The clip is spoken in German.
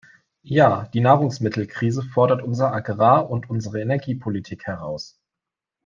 Ja, die Nahrungsmittelkrise fordert unsere Agrarund unsere Energiepolitik heraus.